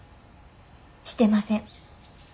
してません。